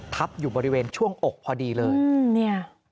ทับอยู่บริเวณช่วงอกพอดีเลย